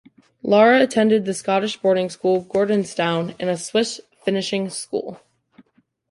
Lara attended the Scottish boarding school Gordonstoun and a Swiss finishing school.